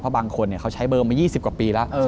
บางคนเขาใช้เบอร์มา๒๐กว่าปีแล้ว